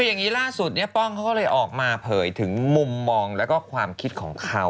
คืออย่างนี้ล่าสุดเนี่ยป้องเขาก็เลยออกมาเผยถึงมุมมองแล้วก็ความคิดของเขา